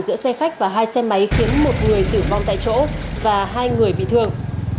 giữa xe khách và hai xe máy khiến một người tử vong tại chỗ và hai người bị thương